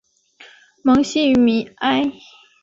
蒙希于米埃。